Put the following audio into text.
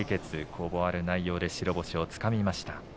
攻防ある内容で白星をつかみました。